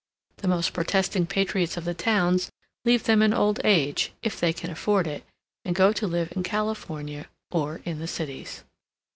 The most protesting patriots of the towns leave them in old age, if they can afford it, and go to live in California or in the cities.